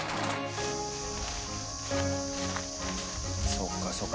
そっかそっか。